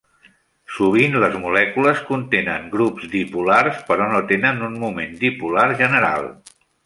Sovint, les molècules contenen grups dipolars, però no tenen un moment dipolar general.